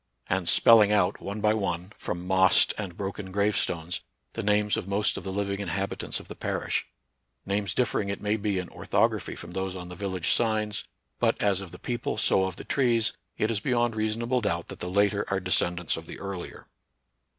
37 and spelling out, one by one, from mossed and broken gravestones, the names of most of the living inhabitants of the parish, — names differ ing it may be in orthography from those on the village signs ; but, as of the people, so of the trees, it is beyond reasonable doubt that the later are descendants of the earlier.